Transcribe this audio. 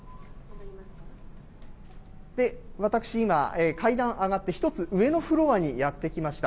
私、今、階段上がって、１つ上のフロアにやって来ました。